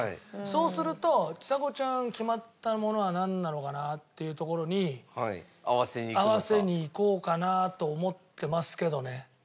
そうするとちさ子ちゃんが決まったものはなんなのかなっていうところに合わせにいこうかなと思ってますけどね。